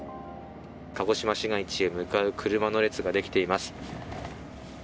鹿児島市街へ向かう車の列ができています。